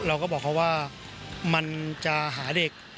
เราก็บอกเขาว่ามันจะหาเด็ก